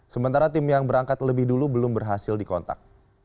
sementara tim yang berangkat lebih dulu belum berhasil dikontak